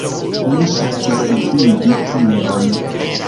Mi ŝatis vidi tion.